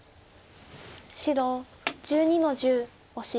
白１２の十オシ。